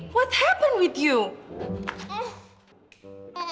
apa yang terjadi sama lu